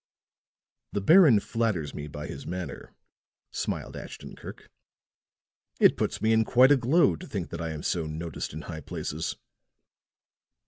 "The Baron flatters me by his manner," smiled Ashton Kirk. "It puts me in quite a glow to think that I am so noticed in high places."